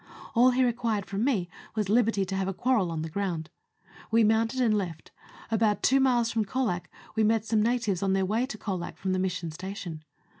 All he required from me was liberty to have a quarrel on the ground. We mounted and left. About two miles from Colac we met some natives on their way to Colac from the Mission Station.